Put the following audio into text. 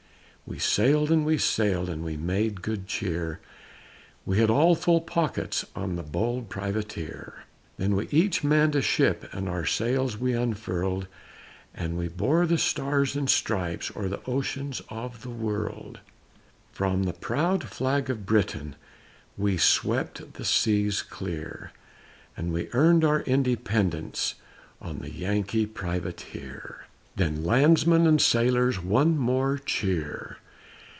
We'd sailed and we'd sailed And we made good cheer, We had all full pockets On the bold Privateer. Then we each manned a ship And our sails we unfurled, And we bore the Stars and Stripes O'er the oceans of the world. From the proud flag of Britain We swept the seas clear, And we earned our independence On the Yankee Privateer. Then landsmen and sailors, One more cheer!